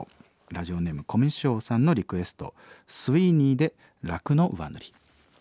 ラジオネームコミュショウさんのリクエストＣＹＮＨＮで「楽の上塗り」。